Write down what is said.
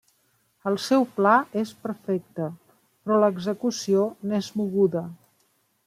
El seu pla és perfecte, però l'execució n'és moguda.